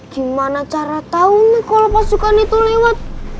gimana cara tahu nih kalau pasukan itu lewat